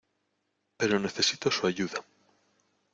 Pero necesito su ayuda.